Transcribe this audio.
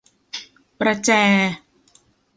ประแจ